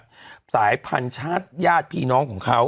สายพันธุ์ชาติญาติพี่น้องของเขา